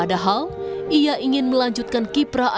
padahal ia ingin melanjutkan perjalanan ke tpu kebon kelapa